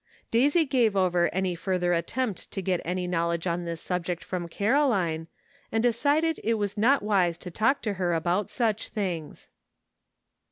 Daisy gave over any further attempt to get any knowledge on this subject from Caroline, and decided it was not wise to talk to her about such things.